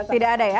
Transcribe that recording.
tidak ada ya